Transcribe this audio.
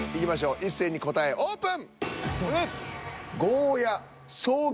一斉に答えオープン！